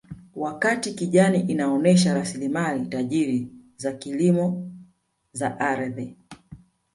Wakati kijani inaonyesha rasilimali tajiri za kilimo za ardhi